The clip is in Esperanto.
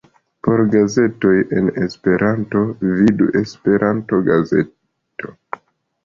Por gazetoj en Esperanto, vidu Esperanto-gazeto.